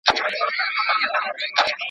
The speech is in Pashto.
پردۍ ښځه بايد د چا تر څنګ کښېنني؟